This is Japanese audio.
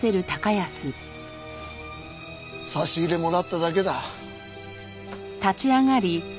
差し入れもらっただけだ。